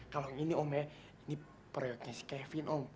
kalau ini om ya ini periode nya si kevin om